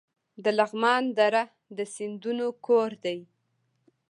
د لغمان دره د سیندونو کور دی